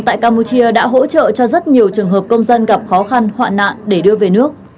tại campuchia đã hỗ trợ cho rất nhiều trường hợp công dân gặp khó khăn hoạn nạn để đưa về nước